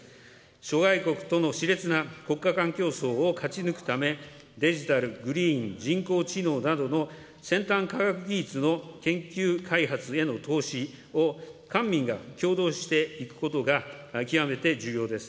諸外国とのしれつな国家間競争を勝ち抜くため、デジタル、グリーン、人工知能などの先端科学技術の研究開発への投資を、官民が共同していくことが極めて重要です。